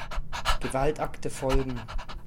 Gewaltakte folgen.